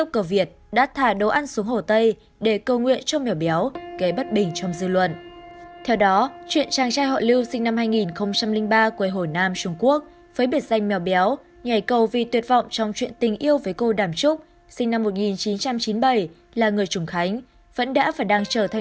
các bạn hãy đăng ký kênh để ủng hộ kênh của chúng mình nhé